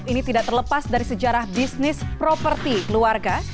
ini tidak terlepas dari sejarah bisnis properti keluarga